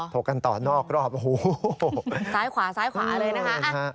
ถกกันต่อนอกรอบซ้ายขวาซ้ายขวาเลยนะฮะ